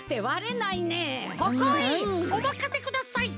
ほほいおまかせください。